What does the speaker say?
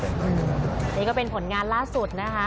นี่ก็เป็นผลงานล่าสุดนะคะ